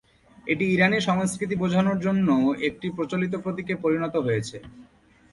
এটি ইরানি সংস্কৃতি বোঝানোর জন্যও একটি প্রচলিত প্রতীকে পরিণত হয়েছে।